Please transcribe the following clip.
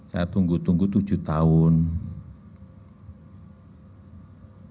saya tunggu tunggu tujuh tahun